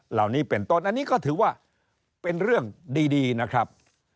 เหล่านี้เป็นต้นอันนี้ก็ถือว่าเป็นเรื่องดีนะครับ